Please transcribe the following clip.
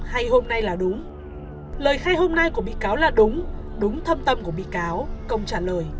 hay hôm nay là đúng lời khai hôm nay của bị cáo là đúng đúng thâm tâm của bị cáo câu trả lời